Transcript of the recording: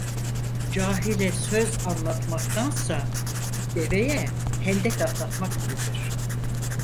Cahile söz anlatmaktansa, deveye hendek atlatmak iyidir.